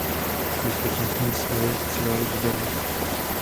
Bezpečnostní síly střílely do davu.